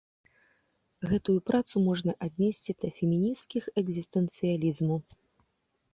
Гэтую працу можна аднесці да фемінісцкіх экзістэнцыялізму.